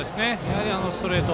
ストレート